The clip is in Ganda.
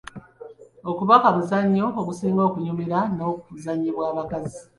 Okubaka muzannyo ogusinga kunyumira n'okuzannyibwa bakazi.